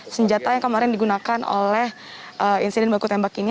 senjata yang kemarin digunakan oleh insiden baku tembak ini